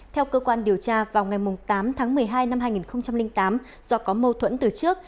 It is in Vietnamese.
theo cơ quan điều tra vào ngày tám tháng một mươi hai năm hai nghìn tám do có mâu thuẫn từ trước